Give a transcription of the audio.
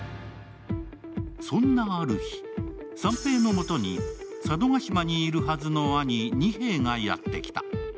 そんなある日、三平のもとに佐渡島にいるはずの兄二平がやってきた。